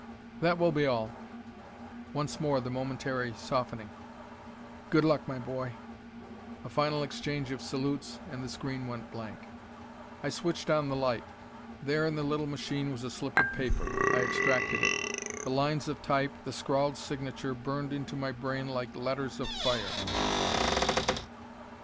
"That will be all." Once more the momentary softening. "Good luck, my boy." A final exchange of salutes, and the screen went blank. I switched on the light. There in the little machine was a slip of paper. I extracted it. The lines of type, the scrawled signature, burned into my brain like letters of fire.